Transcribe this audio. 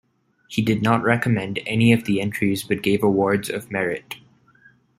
He did not recommend any of the entries, but gave awards of merit.